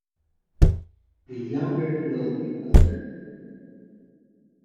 The younger killed the elder.